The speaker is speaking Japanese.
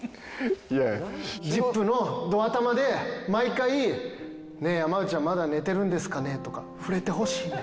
『ＺＩＰ！』のど頭で毎回「ねえ山内はまだ寝てるんですかね？」とか触れてほしいねん。